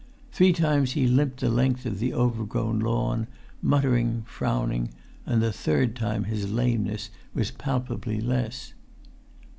Three times he limped the length of the overgrown lawn, muttering, frowning; and the third time his lameness was palpably less.